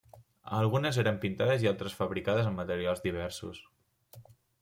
Algunes eren pintades i altres fabricades amb materials diversos.